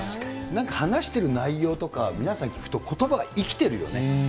なんか話してる内容とか、皆さん、聞くと、ことばが生きてるよね。